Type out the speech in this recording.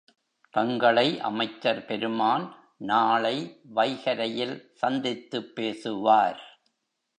தங்களை அமைச்சர்பெருமான் நாளை வைகரையில் சந்தித்துப் பேசுவார்.